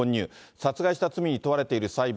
殺害した罪に問われている裁判。